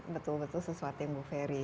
betul betul sesuatu yang bu ferry